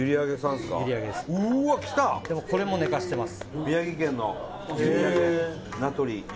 でも、これも寝かせてます。